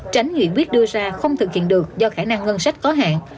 tránh nghị quyết đưa ra không thực hiện được do khả năng ngân sách có hạn